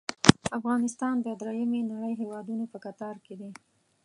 افغانستان د دریمې نړۍ هیوادونو په کتار کې دی.